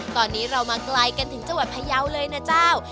ตอนนี้เรามาไกลกันถึงจังหวัดพยาวเลยนะเจ้า